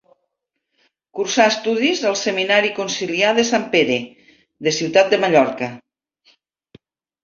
Cursà estudis al seminari conciliar de Sant Pere, de Ciutat de Mallorca.